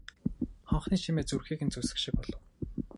Хонхны чимээ зүрхийг нь зүсэх шиг болов.